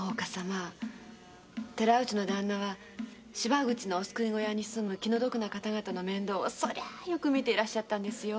寺内のだんなは芝口のお救い小屋に住む気の毒な方々の面倒をよく見てらっしゃったんですよ。